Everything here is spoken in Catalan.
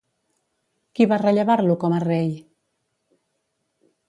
Qui va rellevar-lo com a rei?